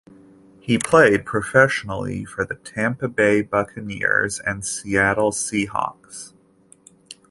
He played professionally for the Tampa Bay Buccaneers and Seattle Seahawks.